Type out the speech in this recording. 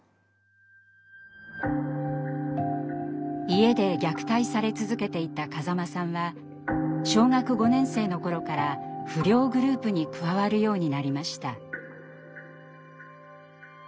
家で虐待され続けていた風間さんは小学５年生の頃から不良グループに加わるようになりました。